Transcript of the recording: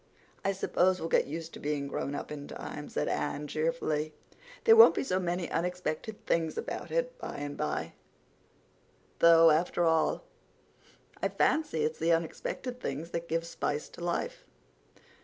"I suppose we'll get used to being grownup in time," said Anne cheerfully. "There won't be so many unexpected things about it by and by—though, after all, I fancy it's the unexpected things that give spice to life.